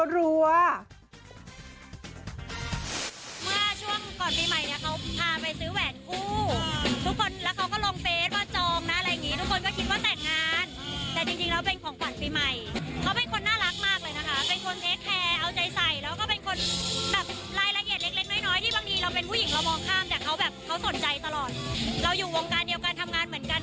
เมื่อช่วงก่อนปีใหม่เนี่ยเขาพาไปซื้อแหวนกู้ทุกคนแล้วเขาก็ลงเฟสว่าจองนะอะไรอย่างนี้ทุกคนก็คิดว่าแต่งงานแต่จริงแล้วเป็นของขวัญปีใหม่เขาเป็นคนน่ารักมากเลยนะคะเป็นคนเทคแคร์เอาใจใส่แล้วก็เป็นคนแบบรายละเอียดเล็กเล็กน้อยน้อยที่บางทีเราเป็นผู้หญิงเรามองข้ามแต่เขาแบบเขาสนใจตลอดเราอยู่วงการเดียวกันทำงานเหมือนกัน